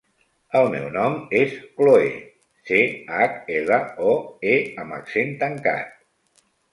El meu nom és Chloé: ce, hac, ela, o, e amb accent tancat.